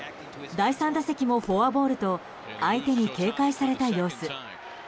第３打席もフォアボールと相手に警戒された様子。